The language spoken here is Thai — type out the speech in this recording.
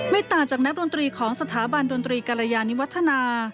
ต่างจากนักดนตรีของสถาบันดนตรีกรยานิวัฒนา